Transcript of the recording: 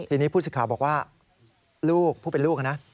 ทีนี้ผู้สิทธิ์ข่าวบอกว่าลูกผู้เป็นลูกนะ